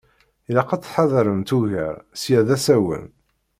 Ilaq ad tettḥadaremt ugar, ssya d asawen.